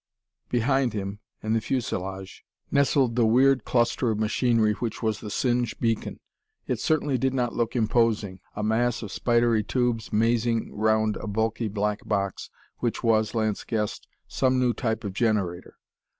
Behind him, in the fuselage, nestled the weird cluster of machinery which was the Singe beacon. It certainly did not look imposing a mass of spidery tubes mazing round a bulky black box, which was, Lance guessed, some new type of generator.